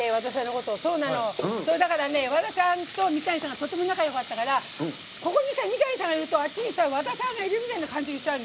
和田さんと三谷さんがとても仲よかったからここに三谷さんがいるとあっちに和田さんがいるみたいな感じしちゃうの。